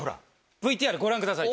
ＶＴＲご覧ください。